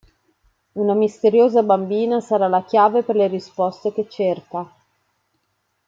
Una misteriosa bambina sarà la chiave per le risposte che cerca.